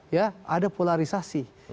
ya ada polarisasi